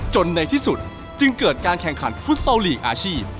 จนในที่สุดจึงเกิดการแข่งขันฟุตเซาอาชีพ